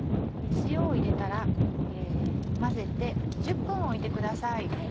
塩を入れたら混ぜて１０分置いてください。